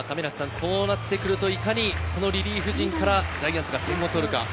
こうなってくると、いかにリリーフ陣からジャイアンツが点を取るか。